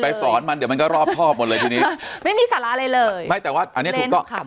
สอนมันเดี๋ยวมันก็รอบครอบหมดเลยทีนี้ไม่มีสาระอะไรเลยไม่แต่ว่าอันนี้ถูกต้องครับ